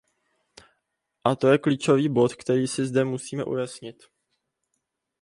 A to je klíčový bod, který si zde musíme ujasnit.